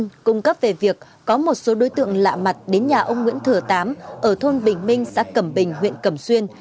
tuyên truyền báo về việc có một số đối tượng lạ mặt đến nhà ông nguyễn thừa tám ở thôn bình minh xã cẩm bình huyện cẩm xuyên